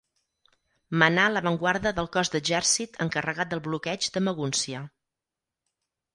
Manà l'avantguarda del cos d'exèrcit encarregat del bloqueig de Magúncia.